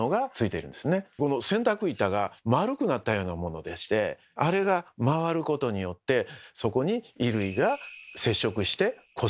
この洗濯板が丸くなったようなものでしてあれが回ることによってそこに衣類が接触してこすられる。